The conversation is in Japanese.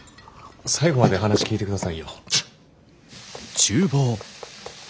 最後まで話聞いてくださいよ。